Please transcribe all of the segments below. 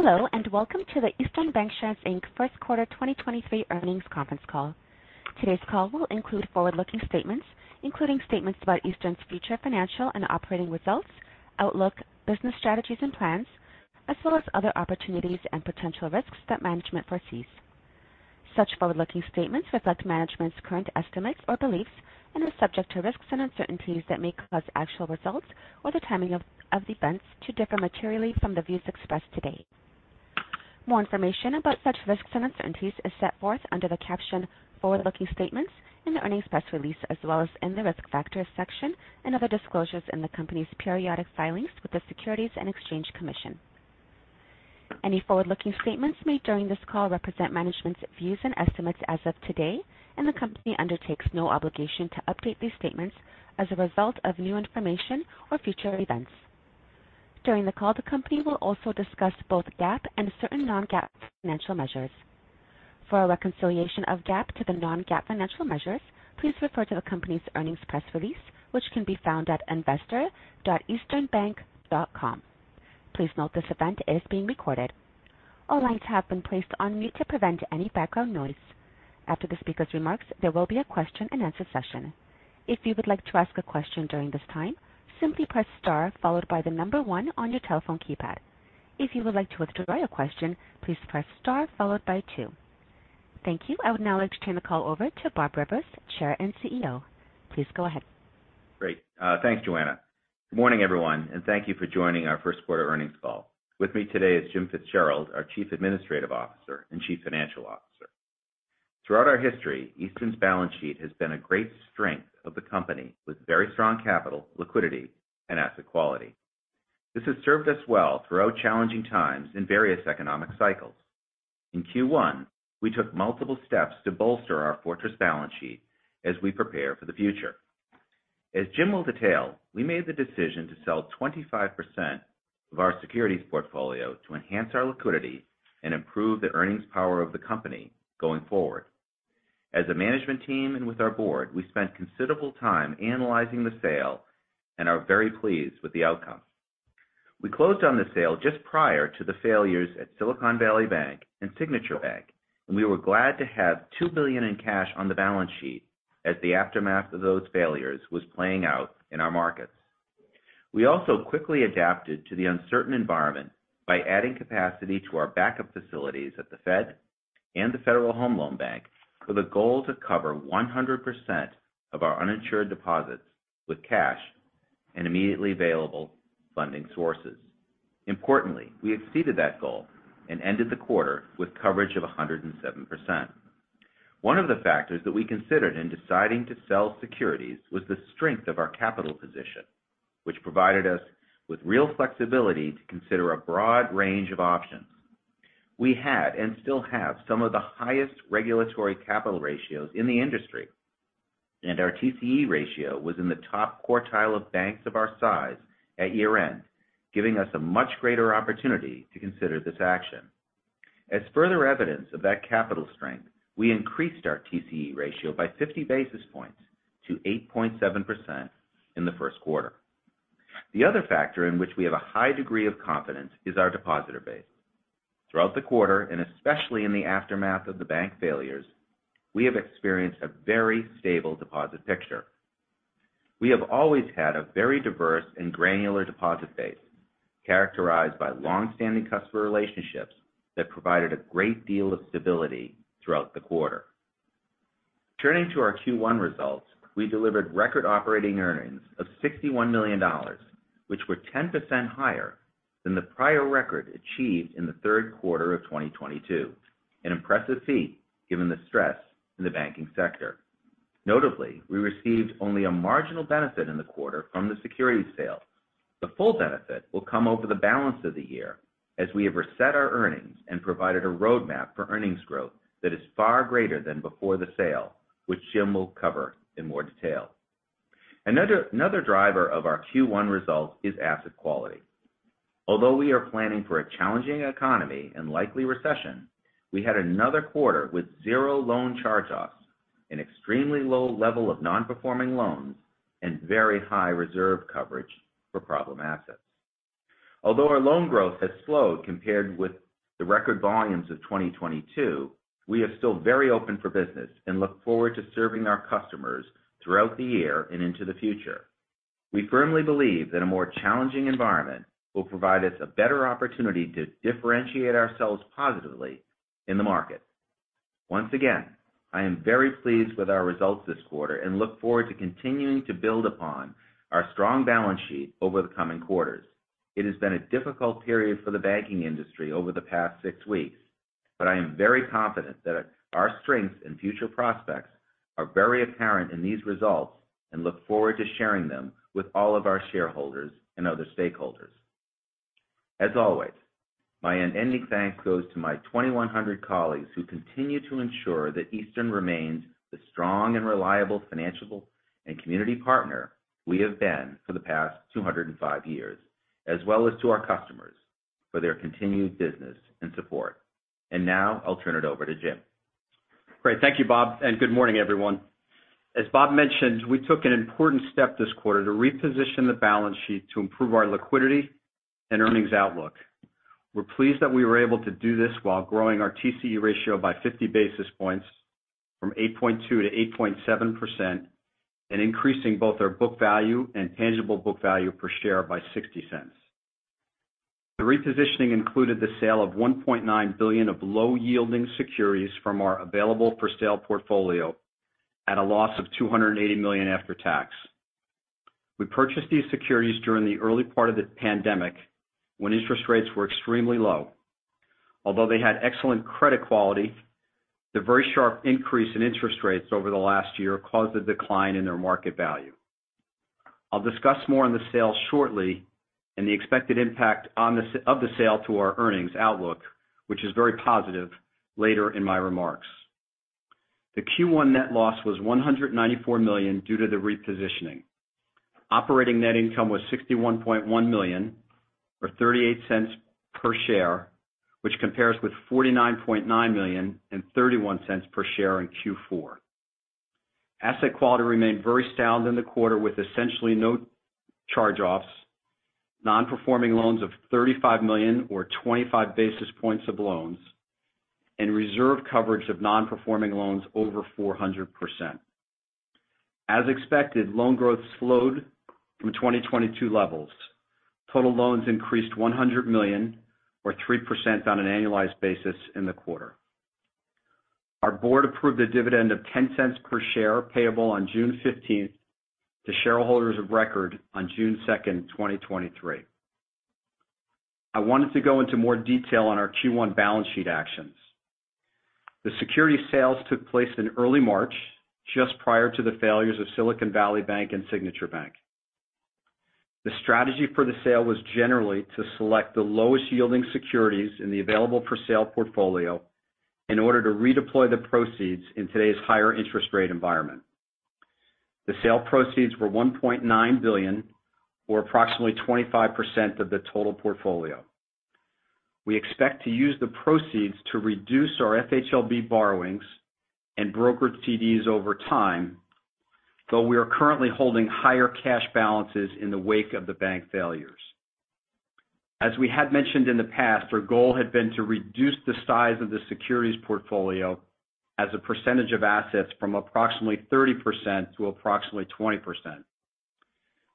Hello, welcome to the Eastern Bankshares, Inc. first quarter 2023 earnings conference call. Today's call will include forward-looking statements, including statements about Eastern's future financial and operating results, outlook, business strategies and plans, as well as other opportunities and potential risks that management foresees. Such forward-looking statements reflect management's current estimates or beliefs and are subject to risks and uncertainties that may cause actual results or the timing of the events to differ materially from the views expressed today. More information about such risks and uncertainties is set forth under the caption Forward-Looking Statements in the earnings press release, as well as in the Risk Factors section and other disclosures in the company's periodic filings with the Securities and Exchange Commission. Any forward-looking statements made during this call represent management's views and estimates as of today, and the company undertakes no obligation to update these statements as a result of new information or future events. During the call, the company will also discuss both GAAP and certain non-GAAP financial measures. For a reconciliation of GAAP to the non-GAAP financial measures, please refer to the company's earnings press release, which can be found at investor.easternbank.com. Please note this event is being recorded. All lines have been placed on mute to prevent any background noise. After the speaker's remarks, there will be a question-and-answer session. If you would like to ask a question during this time, simply press star followed by the number one on your telephone keypad. If you would like to withdraw your question, please press star followed by two. Thank you. I would now like to turn the call over to Bob Rivers, Chair and CEO. Please go ahead. Great. Thanks, Joanna. Good morning, everyone, thank you for joining our first quarter earnings call. With me today is Jim Fitzgerald, our Chief Administrative Officer and Chief Financial Officer. Throughout our history, Eastern's balance sheet has been a great strength of the company with very strong capital, liquidity, and asset quality. This has served us well throughout challenging times in various economic cycles. In Q1, we took multiple steps to bolster our fortress balance sheet as we prepare for the future. As Jim will detail, we made the decision to sell 25% of our securities portfolio to enhance our liquidity and improve the earnings power of the company going forward. As a management team and with our board, we spent considerable time analyzing the sale and are very pleased with the outcome. We closed on the sale just prior to the failures at Silicon Valley Bank and Signature Bank. We were glad to have $2 billion in cash on the balance sheet as the aftermath of those failures was playing out in our markets. We also quickly adapted to the uncertain environment by adding capacity to our backup facilities at the Fed and the Federal Home Loan Bank with a goal to cover 100% of our uninsured deposits with cash and immediately available funding sources. Importantly, we exceeded that goal and ended the quarter with coverage of 107%. One of the factors that we considered in deciding to sell securities was the strength of our capital position, which provided us with real flexibility to consider a broad range of options. We had and still have some of the highest regulatory capital ratios in the industry, and our TCE ratio was in the top quartile of banks of our size at year-end, giving us a much greater opportunity to consider this action. As further evidence of that capital strength, we increased our TCE ratio by 50 basis points to 8.7% in the first quarter. The other factor in which we have a high degree of confidence is our depositor base. Throughout the quarter, and especially in the aftermath of the bank failures, we have experienced a very stable deposit picture. We have always had a very diverse and granular deposit base, characterized by long-standing customer relationships that provided a great deal of stability throughout the quarter. Turning to our Q1 results, we delivered record operating earnings of $61 million, which were 10% higher than the prior record achieved in the third quarter of 2022. An impressive feat given the stress in the banking sector. Notably, we received only a marginal benefit in the quarter from the securities sale. The full benefit will come over the balance of the year as we have reset our earnings and provided a roadmap for earnings growth that is far greater than before the sale, which Jim will cover in more detail. Another driver of our Q1 results is asset quality. Although we are planning for a challenging economy and likely recession, we had another quarter with zero loan charge-offs and extremely low level of non-performing loans and very high reserve coverage for problem assets. Although our loan growth has slowed compared with the record volumes of 2022, we are still very open for business and look forward to serving our customers throughout the year and into the future. We firmly believe that a more challenging environment will provide us a better opportunity to differentiate ourselves positively in the market. Once again, I am very pleased with our results this quarter and look forward to continuing to build upon our strong balance sheet over the coming quarters. It has been a difficult period for the banking industry over the past six weeks, I am very confident that our strengths and future prospects are very apparent in these results and look forward to sharing them with all of our shareholders and other stakeholders. As always, my unending thanks goes to my 2,100 colleagues who continue to ensure that Eastern remains the strong and reliable financial and community partner we have been for the past 205 years, as well as to our customers for their continued business and support. Now I'll turn it over to Jim. Great. Thank you, Bob. Good morning, everyone. As Bob mentioned, we took an important step this quarter to reposition the balance sheet to improve our liquidity and earnings outlook. We're pleased that we were able to do this while growing our TCE ratio by 50 basis points from 8.2%-8.7% and increasing both our book value and tangible book value per share by $0.60. The repositioning included the sale of $1.9 billion of low-yielding securities from our available-for-sale portfolio at a loss of $280 million after tax. We purchased these securities during the early part of the pandemic when interest rates were extremely low. Although they had excellent credit quality, the very sharp increase in interest rates over the last year caused a decline in their market value. I'll discuss more on the sale shortly and the expected impact of the sale to our earnings outlook, which is very positive later in my remarks. The Q1 net loss was $194 million due to the repositioning. Operating net income was $61.1 million or $0.38 per share, which compares with $49.9 million and $0.31 per share in Q4. Asset quality remained very sound in the quarter with essentially no charge-offs, non-performing loans of $35 million or 25 basis points of loans, and reserve coverage of non-performing loans over 400%. As expected, loan growth slowed from 2022 levels. Total loans increased $100 million or 3% on an annualized basis in the quarter. Our board approved a dividend of $0.10 per share payable on June 15th to shareholders of record on June 2nd, 2023. I wanted to go into more detail on our Q1 balance sheet actions. The security sales took place in early March, just prior to the failures of Silicon Valley Bank and Signature Bank. The strategy for the sale was generally to select the lowest-yielding securities in the available-for-sale portfolio in order to redeploy the proceeds in today's higher interest rate environment. The sale proceeds were $1.9 billion or approximately 25% of the total portfolio. We expect to use the proceeds to reduce our FHLB borrowings and broker CDs over time, though we are currently holding higher cash balances in the wake of the bank failures. As we had mentioned in the past, our goal had been to reduce the size of the securities portfolio as a percentage of assets from approximately 30% to approximately 20%.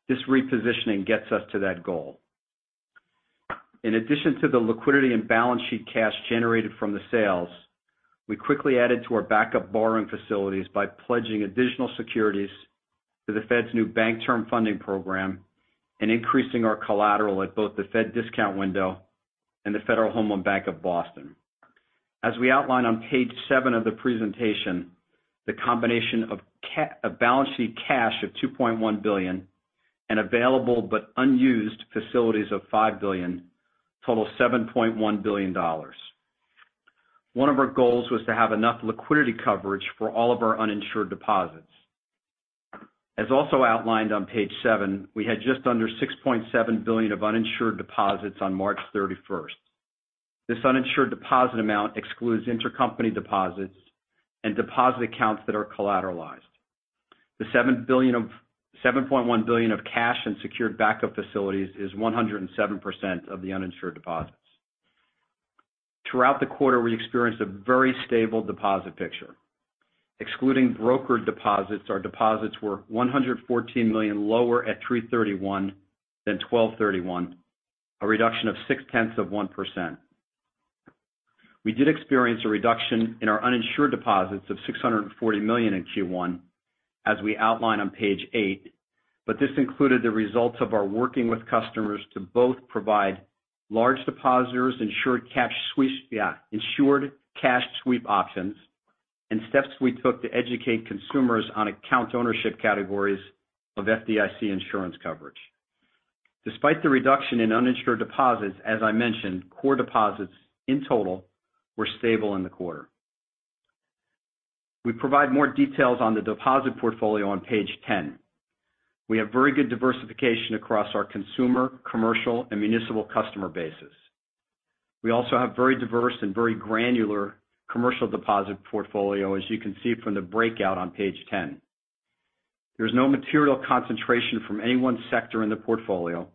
This repositioning gets us to that goal. In addition to the liquidity and balance sheet cash generated from the sales, we quickly added to our backup borrowing facilities by pledging additional securities to the Fed's new Bank Term Funding Program and increasing our collateral at both the Fed discount window and the Federal Home Loan Bank of Boston. As we outline on page 7 of the presentation, the combination of balance sheet cash of $2.1 billion and available but unused facilities of $5 billion total $7.1 billion. One of our goals was to have enough liquidity coverage for all of our uninsured deposits. As also outlined on page 7, we had just under $6.7 billion of uninsured deposits on March 31st. This uninsured deposit amount excludes intercompany deposits and deposit accounts that are collateralized. The $7.1 billion of cash and secured backup facilities is 107% of the uninsured deposits. Throughout the quarter, we experienced a very stable deposit picture. Excluding broker deposits, our deposits were $114 million lower at 3/31 than 12/31, a reduction of 0.6%. We did experience a reduction in our uninsured deposits of $640 million in Q1 as we outline on page 8. This included the results of our working with customers to both provide large depositors Insured Cash Sweep options and steps we took to educate consumers on account ownership categories of FDIC insurance coverage. Despite the reduction in uninsured deposits, as I mentioned, core deposits in total were stable in the quarter. We provide more details on the deposit portfolio on page 10. We have very good diversification across our consumer, commercial, and municipal customer bases. We also have very diverse and very granular commercial deposit portfolio, as you can see from the breakout on page 10. There's no material concentration from any one sector in the portfolio.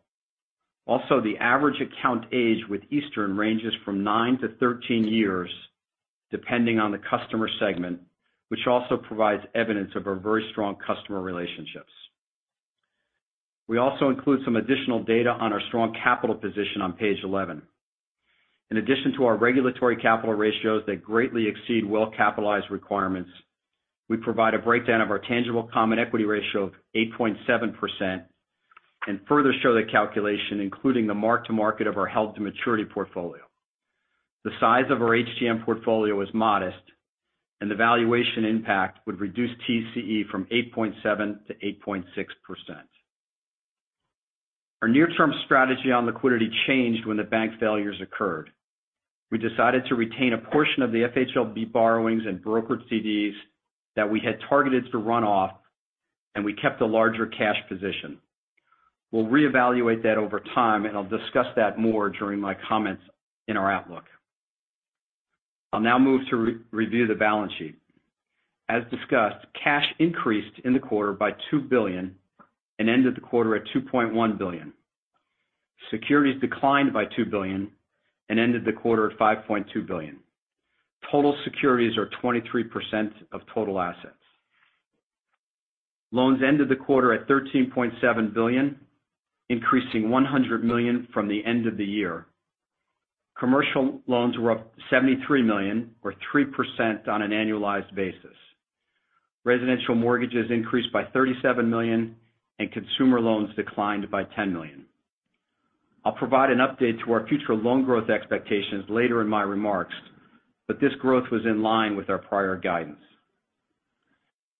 Also, the average account age with Eastern ranges from 9-13 years, depending on the customer segment, which also provides evidence of our very strong customer relationships. We also include some additional data on our strong capital position on page 11. In addition to our regulatory capital ratios that greatly exceed well-capitalized requirements, we provide a breakdown of our tangible common equity ratio of 8.7% and further show the calculation, including the mark to market of our held-to-maturity portfolio. The size of our HTM portfolio is modest and the valuation impact would reduce TCE from 8.7% to 8.6%. Our near-term strategy on liquidity changed when the bank failures occurred. We decided to retain a portion of the FHLB borrowings and brokered CDs that we had targeted to run off. We kept a larger cash position. We'll reevaluate that over time. I'll discuss that more during my comments in our outlook. I'll now move to re-review the balance sheet. As discussed, cash increased in the quarter by $2 billion and ended the quarter at $2.1 billion. Securities declined by $2 billion and ended the quarter at $5.2 billion. Total securities are 23% of total assets. Loans ended the quarter at $13.7 billion, increasing $100 million from the end of the year. Commercial loans were up $73 million or 3% on an annualized basis. Residential mortgages increased by $37 million, and consumer loans declined by $10 million. I'll provide an update to our future loan growth expectations later in my remarks. This growth was in line with our prior guidance.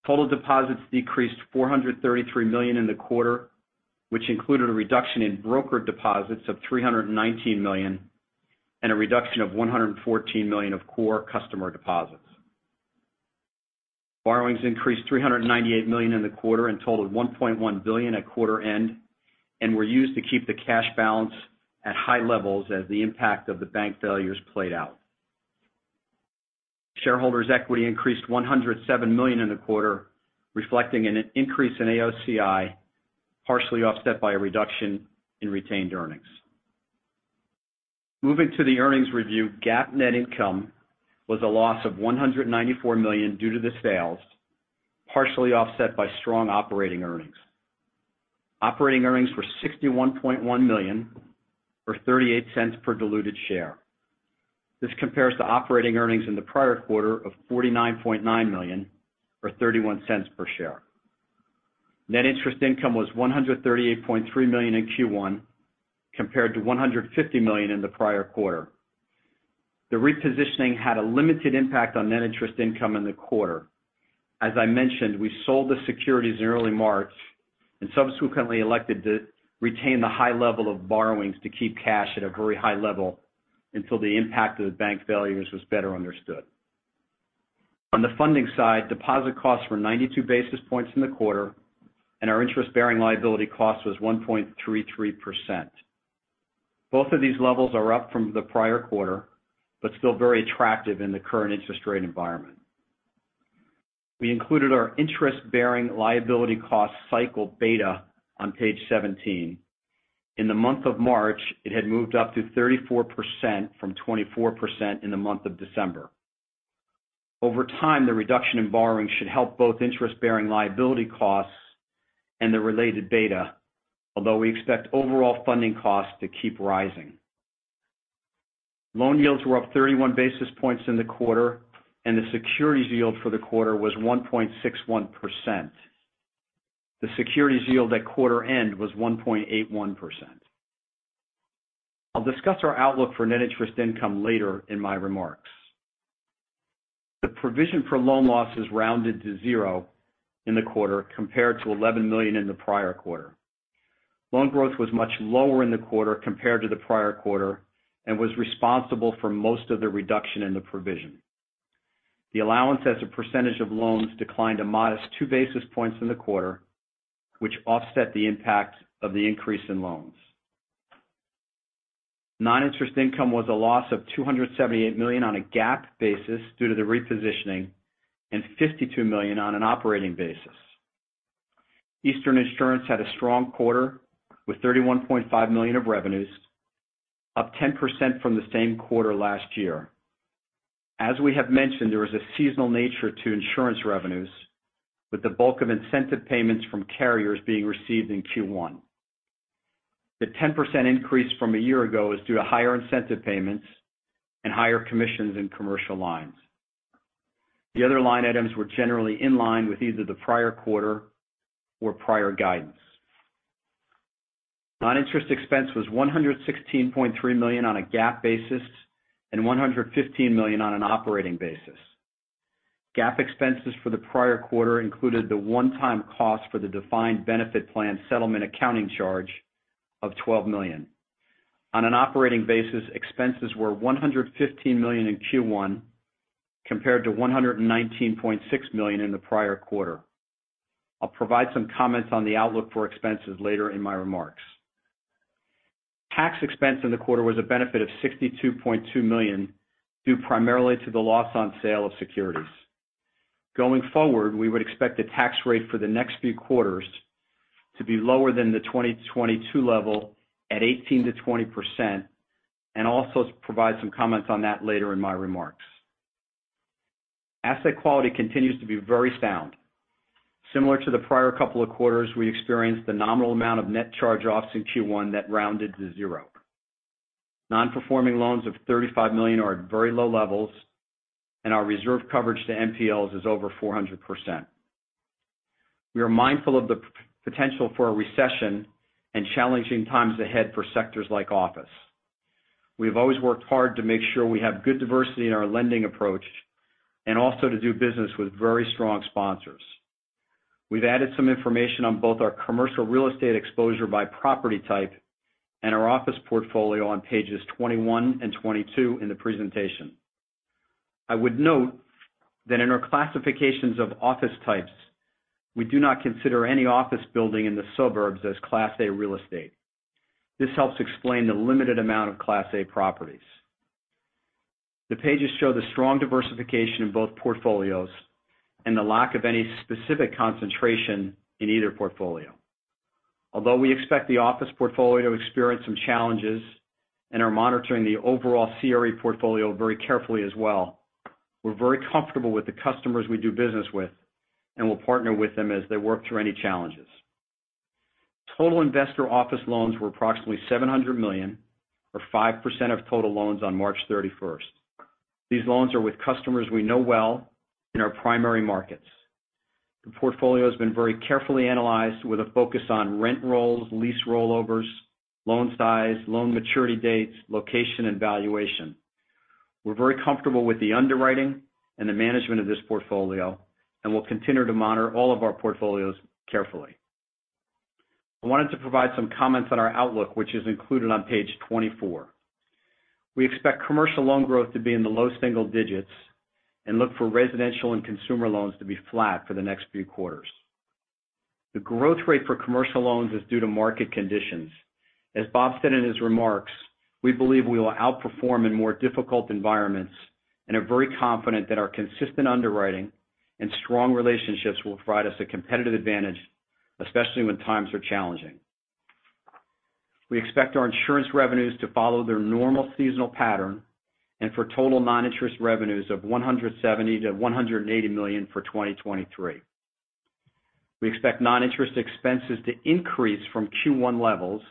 Total deposits decreased $433 million in the quarter, which included a reduction in broker deposits of $319 million and a reduction of $114 million of core customer deposits. Borrowings increased $398 million in the quarter and totaled $1.1 billion at quarter end and were used to keep the cash balance at high levels as the impact of the bank failures played out. Shareholders' equity increased $107 million in the quarter, reflecting an increase in AOCI, partially offset by a reduction in retained earnings. Moving to the earnings review, GAAP net income was a loss of $194 million due to the sales, partially offset by strong operating earnings. Operating earnings were $61.1 million or $0.38 per diluted share. This compares to operating earnings in the prior quarter of $49.9 million or $0.31 per share. Net interest income was $138.3 million in Q1 compared to $150 million in the prior quarter. The repositioning had a limited impact on net interest income in the quarter. I mentioned, we sold the securities in early March and subsequently elected to retain the high level of borrowings to keep cash at a very high level until the impact of the bank failures was better understood. On the funding side, deposit costs were 92 basis points in the quarter, and our interest-bearing liability cost was 1.33%. Both of these levels are up from the prior quarter, but still very attractive in the current interest rate environment. We included our interest-bearing liability cost cycle beta on page 17. In the month of March, it had moved up to 34% from 24% in the month of December. Over time, the reduction in borrowing should help both interest-bearing liability costs and the related beta, although we expect overall funding costs to keep rising. Loan yields were up 31 basis points in the quarter, and the securities yield for the quarter was 1.61%. The securities yield at quarter end was 1.81%. I'll discuss our outlook for net interest income later in my remarks. The provision for loan losses rounded to zero in the quarter compared to $11 million in the prior quarter. Loan growth was much lower in the quarter compared to the prior quarter and was responsible for most of the reduction in the provision. The allowance as a percentage of loans declined a modest 2 basis points in the quarter, which offset the impact of the increase in loans. Non-interest income was a loss of $278 million on a GAAP basis due to the repositioning and $52 million on an operating basis. Eastern Insurance had a strong quarter with $31.5 million of revenues, up 10% from the same quarter last year. As we have mentioned, there is a seasonal nature to insurance revenues, with the bulk of incentive payments from carriers being received in Q1. The 10% increase from a year ago is due to higher incentive payments and higher commissions in commercial lines. The other line items were generally in line with either the prior quarter or prior guidance. Non-interest expense was $116.3 million on a GAAP basis and $115 million on an operating basis. GAAP expenses for the prior quarter included the one-time cost for the defined benefit plan settlement accounting charge of $12 million. On an operating basis, expenses were $115 million in Q1 compared to $119.6 million in the prior quarter. I'll provide some comments on the outlook for expenses later in my remarks. Tax expense in the quarter was a benefit of $62.2 million, due primarily to the loss on sale of securities. Going forward, we would expect the tax rate for the next few quarters to be lower than the 2022 level at 18%-20%. Also provide some comments on that later in my remarks. Asset quality continues to be very sound. Similar to the prior couple of quarters, we experienced the nominal amount of net charge-offs in Q1 that rounded to zero. Non-performing loans of $35 million are at very low levels. Our reserve coverage to NPLs is over 400%. We are mindful of the potential for a recession and challenging times ahead for sectors like office. We have always worked hard to make sure we have good diversity in our lending approach and also to do business with very strong sponsors. We've added some information on both our commercial real estate exposure by property type and our office portfolio on pages 21 and 22 in the presentation. I would note that in our classifications of office types, we do not consider any office building in the suburbs as Class A real estate. This helps explain the limited amount of Class A properties. The pages show the strong diversification in both portfolios and the lack of any specific concentration in either portfolio. We expect the office portfolio to experience some challenges and are monitoring the overall CRE portfolio very carefully as well, we're very comfortable with the customers we do business with and will partner with them as they work through any challenges. Total investor office loans were approximately $700 million or 5% of total loans on March 31st. These loans are with customers we know well in our primary markets. The portfolio has been very carefully analyzed with a focus on rent rolls, lease rollovers, loan size, loan maturity dates, location, and valuation. We're very comfortable with the underwriting and the management of this portfolio, and we'll continue to monitor all of our portfolios carefully. I wanted to provide some comments on our outlook, which is included on page 24. We expect commercial loan growth to be in the low single digits and look for residential and consumer loans to be flat for the next few quarters. The growth rate for commercial loans is due to market conditions. As Bob said in his remarks, we believe we will outperform in more difficult environments and are very confident that our consistent underwriting and strong relationships will provide us a competitive advantage, especially when times are challenging. We expect our insurance revenues to follow their normal seasonal pattern and for total non-interest revenues of $170 million-$180 million for 2023. We expect non-interest expenses to increase from Q1 levels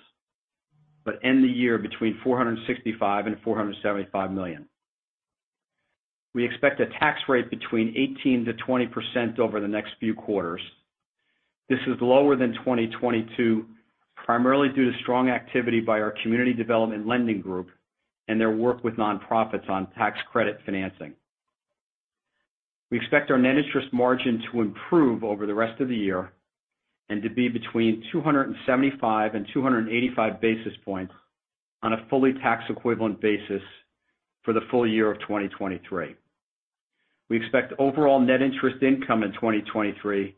but end the year between $465 million and $475 million. We expect a tax rate between 18%-20% over the next few quarters. This is lower than 2022, primarily due to strong activity by our community development lending group and their work with nonprofits on tax credit financing. We expect our net interest margin to improve over the rest of the year and to be between 275 and 285 basis points on a fully tax equivalent basis for the full year of 2023. We expect overall net interest income in 2023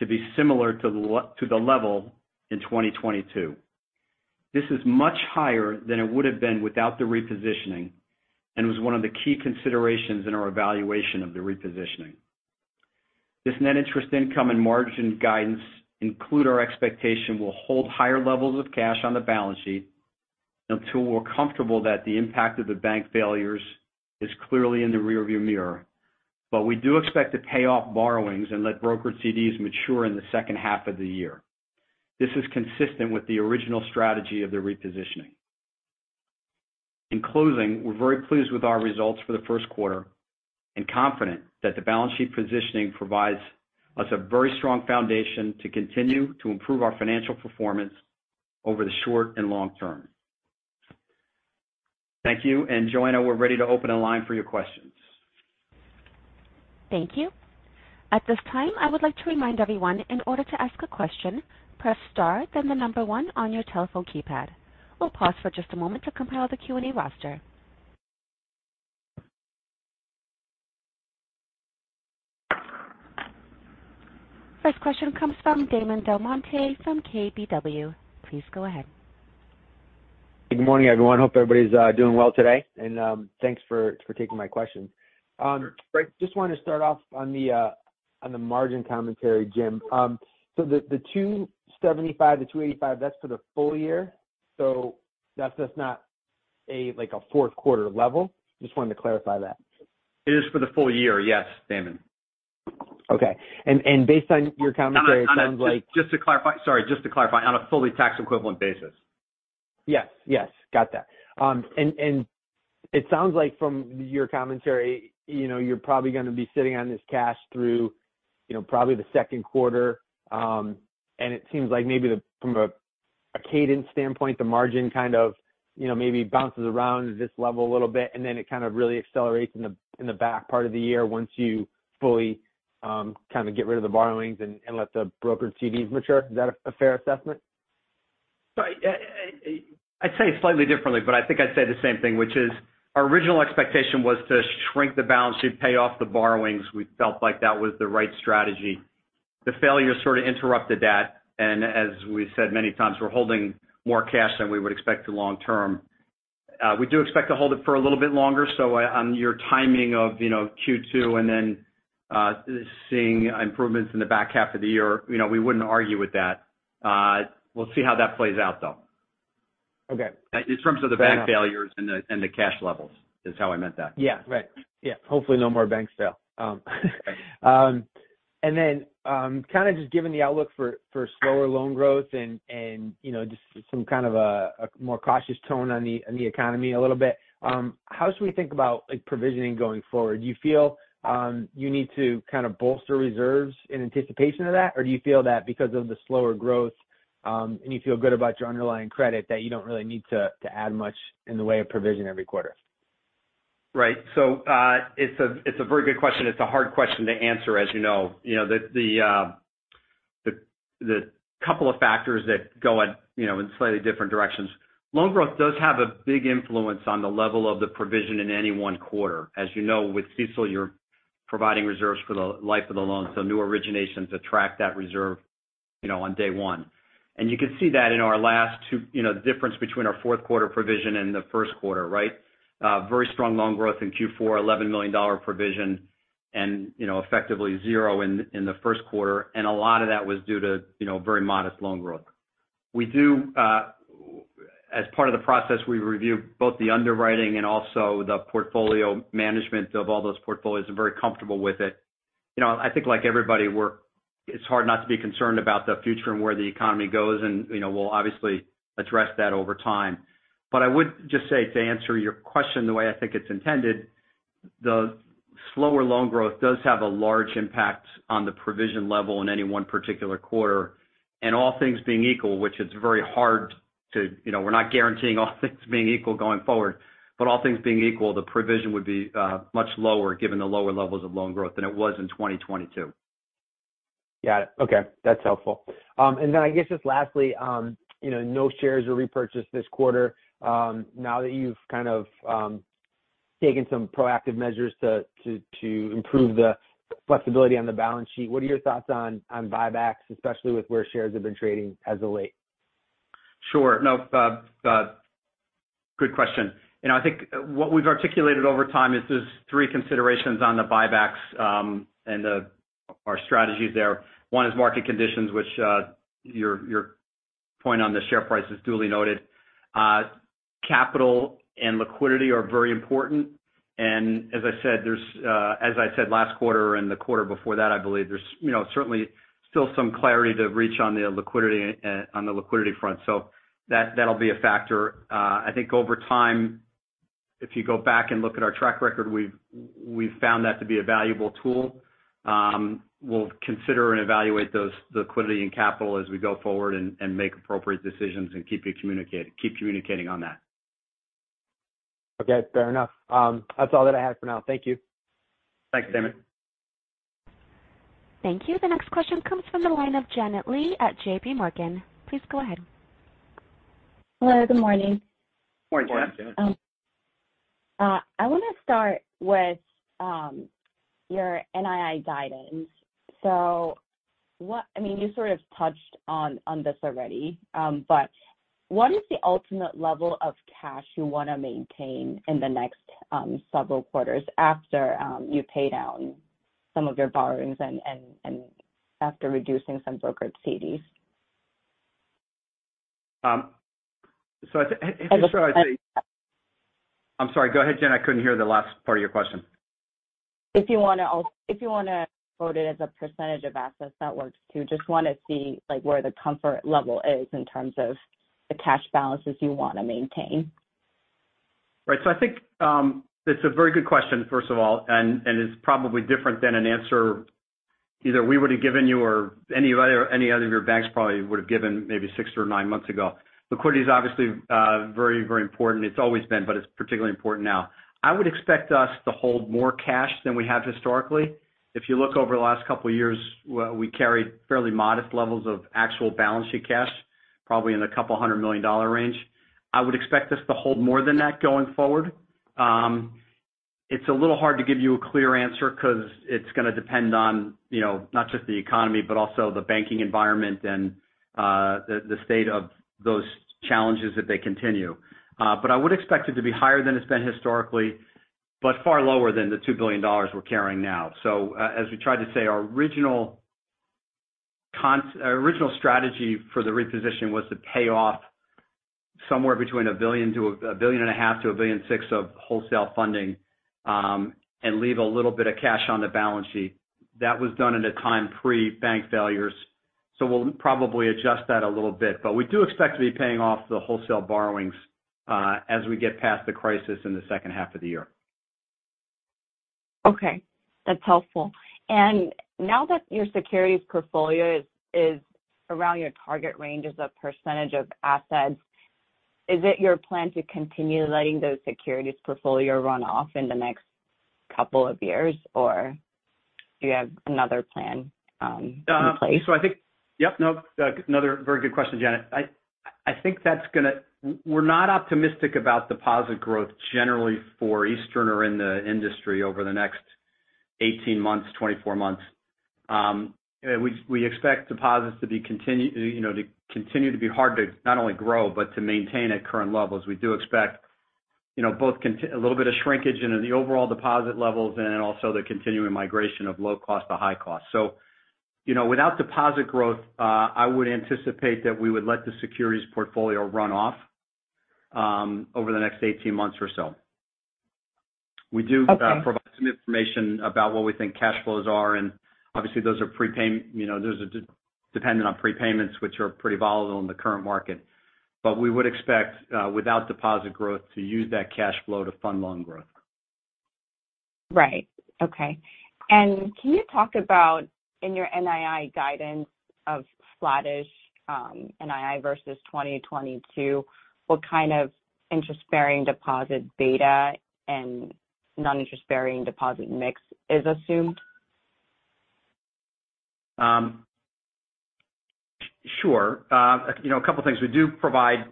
to be similar to the level in 2022. This is much higher than it would have been without the repositioning and was one of the key considerations in our evaluation of the repositioning. This net interest income and net interest margin guidance include our expectation we'll hold higher levels of cash on the balance sheet until we're comfortable that the impact of the bank failures is clearly in the rearview mirror. We do expect to pay off borrowings and let brokered CDs mature in the second half of the year. This is consistent with the original strategy of the repositioning. In closing, we're very pleased with our results for the first quarter and confident that the balance sheet positioning provides us a very strong foundation to continue to improve our financial performance over the short and long term. Thank you. Joanna, we're ready to open a line for your questions. Thank you. At this time, I would like to remind everyone, in order to ask a question, press star then the number one on your telephone keypad. We'll pause for just a moment to compile the Q&A roster. First question comes from Damon DelMonte from KBW. Please go ahead. Good morning, everyone. Hope everybody's doing well today, and thanks for taking my question. Just wanted to start off on the margin commentary, Jim. The 2.75%-2.85%, that's for the full year. That's just not a, like, a fourth quarter level. Just wanted to clarify that. It is for the full year. Yes, Damon. Okay. And based on your commentary, it sounds like. Sorry, just to clarify. On a fully tax equivalent basis. Yes. Yes. Got that. It sounds like from your commentary, you know, you're probably gonna be sitting on this cash through, you know, probably the second quarter. It seems like maybe from a cadence standpoint, the margin kind of, you know, maybe bounces around this level a little bit, and then it kind of really accelerates in the back part of the year once you fully kind of get rid of the borrowings and let the brokered CDs mature. Is that a fair assessment? I'd say it slightly differently, but I think I'd say the same thing, which is our original expectation was to shrink the balance sheet, pay off the borrowings. We felt like that was the right strategy. The failure sort of interrupted that, and as we've said many times, we're holding more cash than we would expect to long term. We do expect to hold it for a little bit longer. On your timing of, you know, Q2 and then, seeing improvements in the back half of the year, you know, we wouldn't argue with that. We'll see how that plays out, though. Okay. In terms of the bank failures and the cash levels is how I meant that. Yeah. Right. Yeah. Hopefully, no more banks fail. Kind of just given the outlook for slower loan growth and, you know, just some kind of a more cautious tone on the economy a little bit, how should we think about, like, provisioning going forward? Do you feel, you need to kind of bolster reserves in anticipation of that? Or do you feel that because of the slower growth, and you feel good about your underlying credit, that you don't really need to add much in the way of provision every quarter? Right. It's a very good question. It's a hard question to answer, as you know. You know, the couple of factors that go at, you know, in slightly different directions. Loan growth does have a big influence on the level of the provision in any one quarter. As you know, with CECL, you're providing reserves for the life of the loan, so new originations attract that reserve, you know, on day one. You can see that in our last 2. You know, the difference between our fourth quarter provision and the first quarter, right? Very strong loan growth in Q4, $11 million provision and, you know, effectively 0 in the first quarter. A lot of that was due to, you know, very modest loan growth. We do, as part of the process, we review both the underwriting and also the portfolio management of all those portfolios and very comfortable with it. You know, I think like everybody, it's hard not to be concerned about the future and where the economy goes. You know, we'll obviously address that over time. I would just say, to answer your question the way I think it's intended, the slower loan growth does have a large impact on the provision level in any 1 particular quarter. All things being equal, which is very hard to, you know, we're not guaranteeing all things being equal going forward, but all things being equal, the provision would be much lower given the lower levels of loan growth than it was in 2022. Got it. Okay, that's helpful. Then I guess just lastly, you know, no shares were repurchased this quarter. Now that you've kind of, taken some proactive measures to improve the flexibility on the balance sheet, what are your thoughts on buybacks, especially with where shares have been trading as of late? Sure. No, good question. You know, I think what we've articulated over time is there's three considerations on the buybacks, and our strategies there. One is market conditions, which, your point on the share price is duly noted. Capital and liquidity are very important. As I said, there's, as I said last quarter and the quarter before that, I believe, there's, you know, certainly still some clarity to reach on the liquidity, on the liquidity front. That'll be a factor. I think over time, if you go back and look at our track record, we've found that to be a valuable tool. We'll consider and evaluate those, the liquidity and capital as we go forward and make appropriate decisions and keep communicating on that. Okay, fair enough. That's all that I have for now. Thank you. Thanks, Damon. Thank you. The next question comes from the line of Janet Lee at JP Morgan. Please go ahead. Hello, good morning. Good morning, Janet. I wanna start with your NII guidance. I mean, you sort of touched on this already. What is the ultimate level of cash you wanna maintain in the next several quarters after you pay down some of your borrowings and after reducing some brokered CDs? Um, so I th- If you want- I'm sorry. Go ahead, Janet. I couldn't hear the last part of your question. If you wanna quote it as a % of assets, that works too. Just wanna see, like, where the comfort level is in terms of the cash balances you wanna maintain. I think, it's a very good question, first of all, and is probably different than an answer either we would've given you or any other of your banks probably would've given maybe six or nine months ago. Liquidity is obviously, very important. It's always been, but it's particularly important now. I would expect us to hold more cash than we have historically. If you look over the last couple years, we carried fairly modest levels of actual balance sheet cash, probably in a couple hundred million dollar range. I would expect this to hold more than that going forward. It's a little hard to give you a clear answer 'cause it's gonna depend on, you know, not just the economy, but also the banking environment and the state of those challenges if they continue. I would expect it to be higher than it's been historically, but far lower than the $2 billion we're carrying now. As we tried to say, our original strategy for the reposition was to pay off somewhere between $1 billion to $1.5 billion to $1.6 billion of wholesale funding and leave a little bit of cash on the balance sheet. That was done in a time pre-bank failures, so we'll probably adjust that a little bit. We do expect to be paying off the wholesale borrowings as we get past the crisis in the second half of the year. Okay, that's helpful. Now that your securities portfolio is around your target ranges of % of assets, is it your plan to continue letting those securities portfolio run off in the next couple of years, or do you have another plan in place? I think... Yep, no. Another very good question, Janet. I think that's gonna we're not optimistic about deposit growth generally for Eastern or in the industry over the next 18 months, 24 months. We expect deposits to be continue, you know, to continue to be hard to not only grow, but to maintain at current levels. We do expect, you know, both a little bit of shrinkage in the overall deposit levels and also the continuing migration of low cost to high cost. You know, without deposit growth, I would anticipate that we would let the securities portfolio run off, over the next 18 months or so. Okay. We do provide some information about what we think cash flows are. Obviously, you know, those are dependent on prepayments which are pretty volatile in the current market. We would expect without deposit growth to use that cash flow to fund loan growth. Right. Okay. Can you talk about in your NII guidance of Flattish NII versus 2022? What kind of interest-bearing deposit beta and non-interest-bearing deposit mix is assumed? Sure. You know, a couple things. We do provide,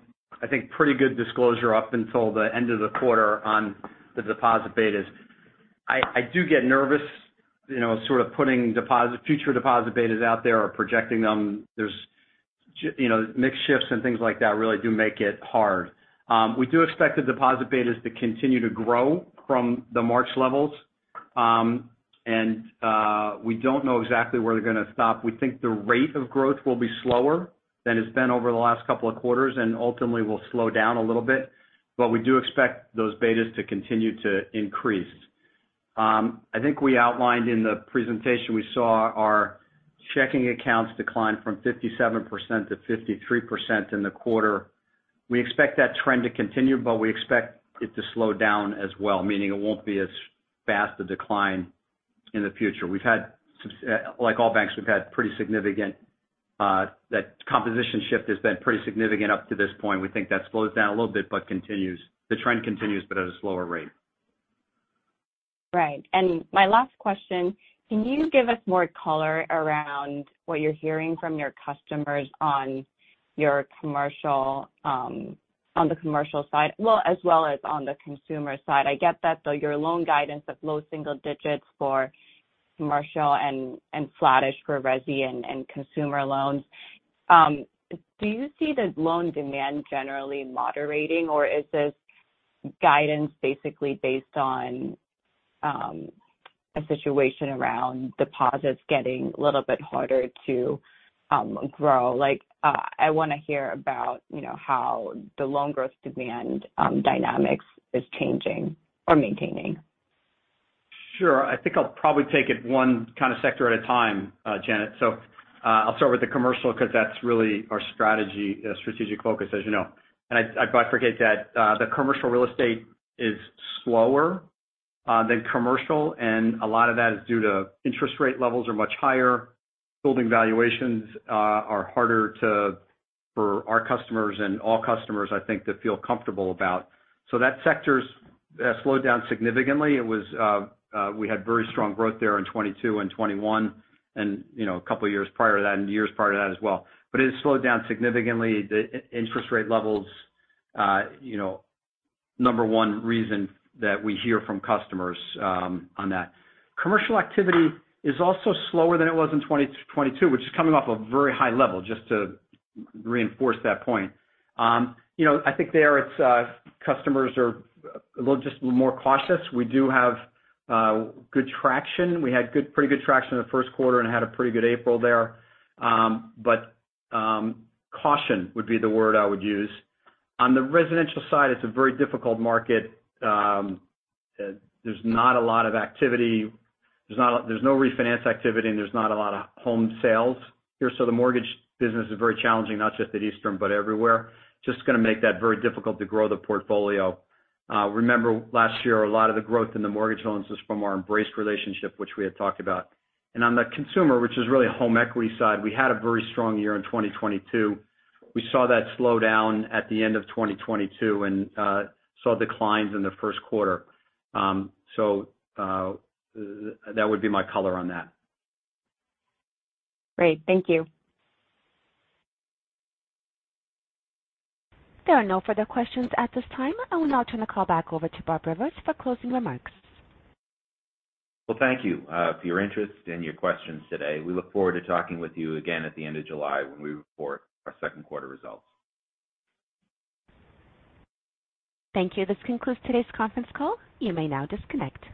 I think, pretty good disclosure up until the end of the quarter on the deposit betas. I do get nervous, you know, sort of putting future deposit betas out there or projecting them. There's you know, mix shifts and things like that really do make it hard. We do expect the deposit betas to continue to grow from the March levels. We don't know exactly where they're gonna stop. We think the rate of growth will be slower than it's been over the last couple of quarters and ultimately will slow down a little bit, but we do expect those betas to continue to increase. I think we outlined in the presentation, we saw our checking accounts decline from 57% to 53% in the quarter. We expect that trend to continue, but we expect it to slow down as well, meaning it won't be as fast a decline in the future. We've had like all banks, we've had pretty significant, that composition shift has been pretty significant up to this point. We think that slows down a little bit, but continues. The trend continues but at a slower rate. Right. My last question, can you give us more color around what you're hearing from your customers on your commercial, on the commercial side, well, as well as on the consumer side? I get that, though, your loan guidance of low single digits for commercial and flattish for resi and consumer loans. Do you see the loan demand generally moderating, or is this guidance basically based on a situation around deposits getting a little bit harder to grow? Like, I wanna hear about, you know, how the loan growth demand dynamics is changing or maintaining. Sure. I think I'll probably take it one kind of sector at a time, Janet. I'll start with the commercial because that's really our strategy, strategic focus, as you know. I'd forget that the commercial real estate is slower than commercial, and a lot of that is due to interest rate levels are much higher. Building valuations are harder for our customers and all customers, I think, to feel comfortable about. That sector's slowed down significantly. We had very strong growth there in 22 and 21 and, you know, a couple years prior to that and years prior to that as well. It has slowed down significantly. The interest rate levels, you know, number 1 reason that we hear from customers on that. Commercial activity is also slower than it was in 2022, which is coming off a very high level, just to reinforce that point. you know, I think there it's customers are a little, just more cautious. We do have good traction. We had good, pretty good traction in the first quarter and had a pretty good April there. but caution would be the word I would use. On the residential side, it's a very difficult market. There's not a lot of activity. There's no refinance activity, and there's not a lot of home sales here. The mortgage business is very challenging, not just at Eastern, but everywhere. Just gonna make that very difficult to grow the portfolio. Remember last year, a lot of the growth in the mortgage loans was from our Embrace relationship, which we had talked about. On the consumer, which is really home equity side, we had a very strong year in 2022. We saw that slow down at the end of 2022 and saw declines in the first quarter. That would be my color on that. Great. Thank you. There are no further questions at this time. I will now turn the call back over to Bob Rivers for closing remarks. Well, thank you, for your interest and your questions today. We look forward to talking with you again at the end of July when we report our second quarter results. Thank you. This concludes today's conference call. You may now disconnect.